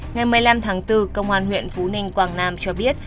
ngày một mươi năm tháng bốn công an huyện phú ninh quảng nam cho biết